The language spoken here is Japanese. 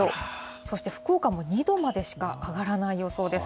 そして福岡も２度までしか上がらない予想です。